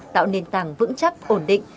tạo nền tảng vững chắc ổn định